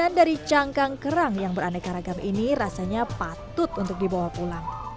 makanan dari cangkang kerang yang beraneka ragam ini rasanya patut untuk dibawa pulang